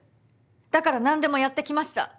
だから何でもやってきました。